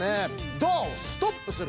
ドアをストップする。